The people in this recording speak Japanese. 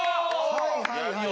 はいはいはいはい。